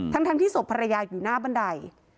ทั้งที่ศพภรรยาอยู่หน้าบันได